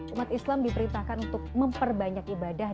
umat islam diperintahkan untuk memperbanyak ibadah